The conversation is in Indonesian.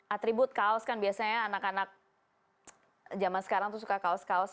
atribut kaos kan biasanya anak anak zaman sekarang tuh suka kaos kaos